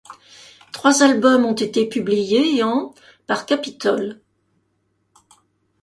Trois albums ont été publiés en par Capitol.